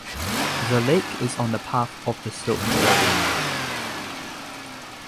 The lake is on the path of the Silk Road.